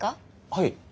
はい？